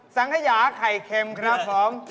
สังขยาและไข่เข้มครับ